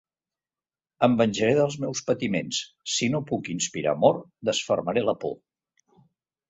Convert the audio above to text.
Em venjaré dels meus patiments; si no puc inspirar amor, desfermaré la por.